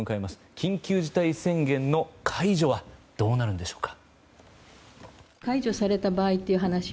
緊急事態宣言の解除はどうなるんでしょうか。